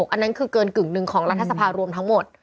อันนั้นคือเกินกึ่งหนึ่งของรัฐสภารวมทั้งหมด